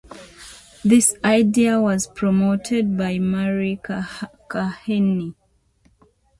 This idea was promoted by Meir Kahane.